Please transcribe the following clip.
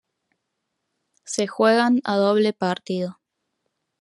Se juegan a doble partido.